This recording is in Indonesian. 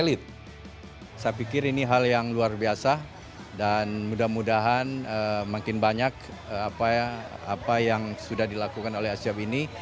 saya pikir ini hal yang luar biasa dan mudah mudahan makin banyak apa yang sudah dilakukan oleh asihab ini